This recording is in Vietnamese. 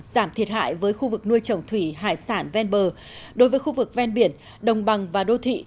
giảm thiệt hại với khu vực nuôi trồng thủy hải sản ven bờ đối với khu vực ven biển đồng bằng và đô thị